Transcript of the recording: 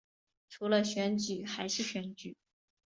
除了选举还是选举